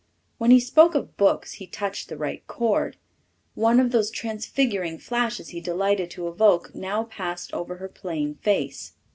When he spoke of books he touched the right chord. One of those transfiguring flashes he delighted to evoke now passed over her plain face.